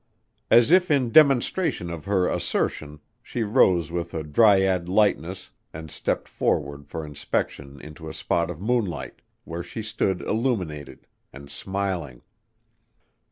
As if in demonstration of her assertion she rose with a dryad lightness and stepped forward for inspection into a spot of moonlight, where she stood illuminated and smiling.